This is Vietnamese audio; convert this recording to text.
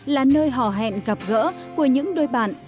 là nơi họ hẹn gặp gỡ của những đôi bạn